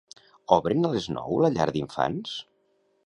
Obren a les nou la llar d'infants?